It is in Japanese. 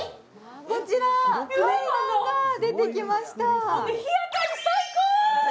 こちら階段が出てきました。